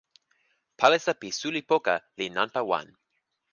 palisa pi suli poka li nanpa wan.